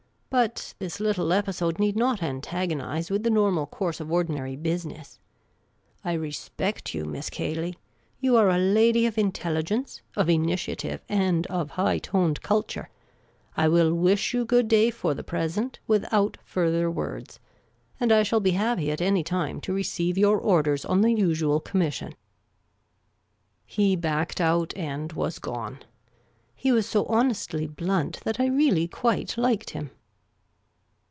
But this little episode need not antagonise with the nonnal course of ordinary business, I respect you, Miss Cay ley. You are a lady of intelligence, of initiative, and of high toned culture. I will wish you good day for the present, without further words ; and I shall be happy at any time to receive your orders on the usual commission." He backed out and was gone. He was so honestly blunt that I really quite liked him.